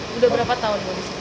sudah berapa tahun di sini